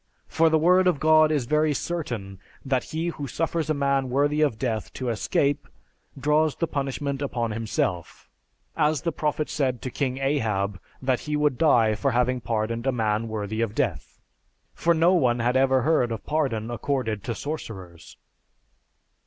For the word of God is very certain that he who suffers a man worthy of death to escape, draws the punishment upon himself, as the prophet said to King Ahab, that he would die for having pardoned a man worthy of death. For no one had ever heard of pardon accorded to sorcerers."